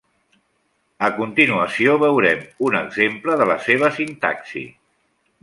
A continuació veurem un exemple de la seva sintaxi.